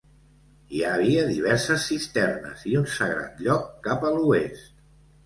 Hi havia diverses cisternes i un sagrat lloc cap a l'oest.